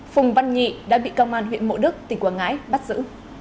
phùng văn nhị đã bị công an huyện mộ đức tỉnh quảng ngãi bắt giữ